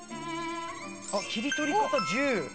あっ切り取り方１０。